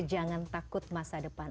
jangan takut masa depan